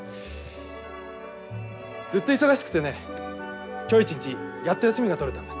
ずっと忙しくてね今日一日やっと休みが取れたんだ。